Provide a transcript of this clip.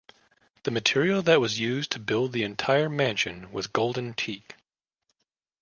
The material that was used to build the entire mansion was golden teak.